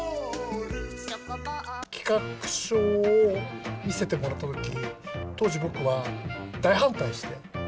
企画書を見せてもらったとき、当時、僕は大反対して。